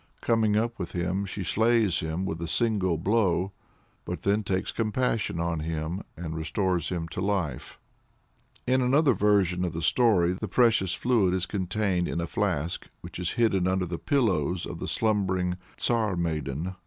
Coming up with him, she slays him with a single blow, but then takes compassion on him, and restores him to life. In another version of the story, the precious fluid is contained in a flask which is hidden under the pillow of the slumbering "Tsar Maiden."